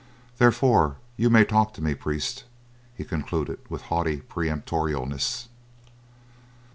Therefore you may talk to me, priest," he concluded with haughty peremptoriness.